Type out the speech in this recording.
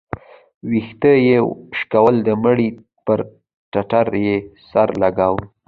ويښته يې شكول د مړي پر ټټر يې سر لګاوه.